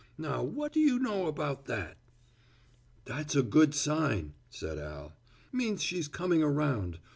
Now what do you know about that!" "That's a good sign," said Al, "means she's coming around.